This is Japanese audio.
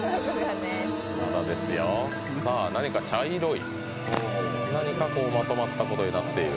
何か茶色い、何かまとまったことになっている。